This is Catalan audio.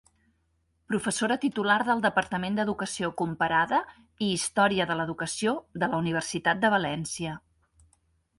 Professora titular del Departament d’Educació Comparada i Història de l’Educació de la Universitat de València.